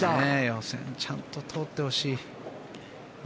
予選ちゃんと通ってほしい。